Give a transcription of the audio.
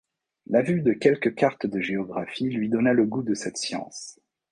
La vue de quelques cartes de géographie lui donna le goût de cette science.